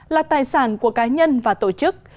là tài sản của cá nhân và tổ chức